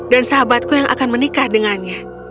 dan sahabatku yang akan menikah dengannya